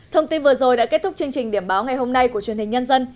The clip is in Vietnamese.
thông tin vừa rồi đã kết thúc chương trình điểm báo ngày hôm nay của truyền hình nhân dân